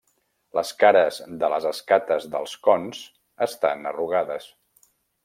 Les cares de les escates dels cons estan arrugades.